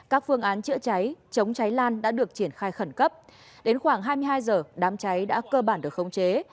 các phương án chữa cháy chống cháy lan đã được triển khai khẩn cấp đến khoảng hai mươi hai h đám cháy đã cơ bản được khống chế